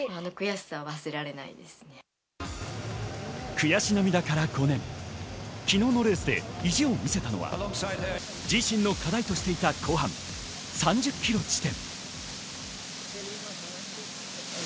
悔し涙から５年、昨日のレースで意地を見せたのは、自身の課題としていた後半３０ｋｍ地点。